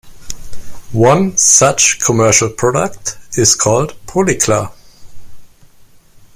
One such commercial product is called "Polyclar".